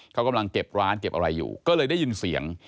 เขากำลังเก็บร้านเก็บอะไรอยู่ก็เลยได้ยินเสียง